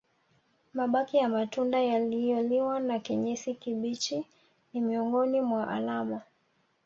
Mabaki ya matunda yaliyoliwa na kinyesi kibichi ni miongoni mwa alama